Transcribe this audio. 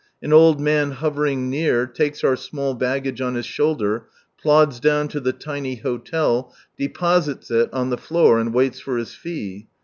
An old man hovering near, takes our small baggage on his shoulder, plods down to the tiny hotel, deposits it on the floor, and waits for his fee.